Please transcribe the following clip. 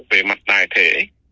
về mặt đài thể